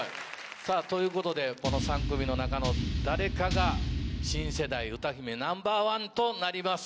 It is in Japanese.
さぁということでこの３組の中の誰かが新世代歌姫Ｎｏ．１となります。